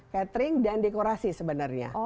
catering dan dekorasi sebenarnya